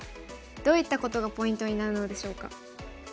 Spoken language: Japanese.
どういったことがポイントになるのでしょうか？